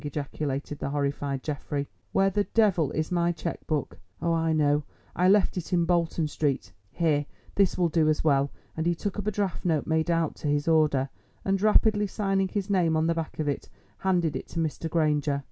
ejaculated the horrified Geoffrey. "Where the devil is my cheque book? Oh, I know, I left it in Bolton Street. Here, this will do as well," and he took up a draft note made out to his order, and, rapidly signing his name on the back of it, handed it to Mr. Granger.